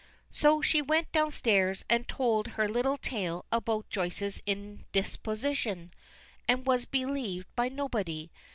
So she went downstairs and told her little tale about Joyce's indisposition, and was believed by nobody.